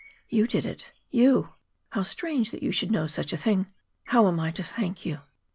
"You did it you! How strange that you should know such a thing. How am I to thank you?"